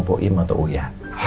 bu im atau uya